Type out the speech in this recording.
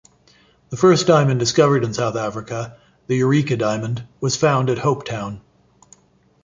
The first diamond discovered in South Africa, the Eureka Diamond, was found at Hopetown.